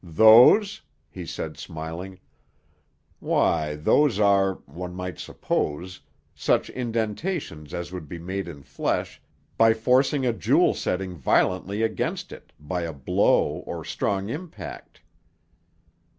"Those?" he said smiling. "Why, those are, one might suppose, such indentations as would be made in flesh by forcing a jewel setting violently against it, by a blow or strong impact."